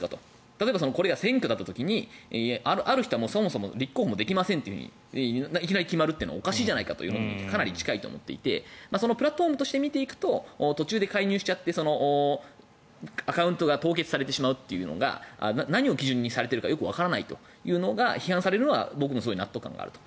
例えば、選挙だった時にある人はそもそも立候補できませんといきなり決まるのはおかしいじゃないかというのにかなり近いと思っていてプラットフォームとして見ていくと途中で介入しちゃってアカウントが凍結されてしまうというのが何を基準にされているのかよくわからないと批判されるのは僕もすごく納得感があると。